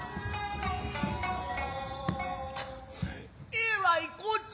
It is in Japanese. えらいこっちゃ。